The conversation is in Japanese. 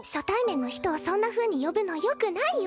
そんなふうに呼ぶのよくないよ